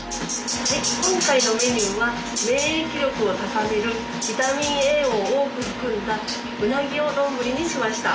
はい今回のメニューは免疫力を高めるビタミンＡを多く含んだうなぎを丼にしました。